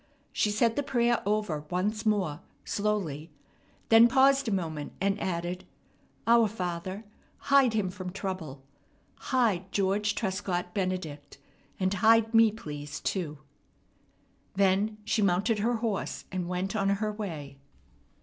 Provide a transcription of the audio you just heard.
She said the prayer over once more, slowly, then paused a moment, and added: "Our Father, hide him from trouble. Hide George Trescott Benedict. And hide me, please, too." Then she mounted her horse, and went on her way.